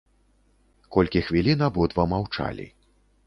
Колькі хвілін абодва маўчалі.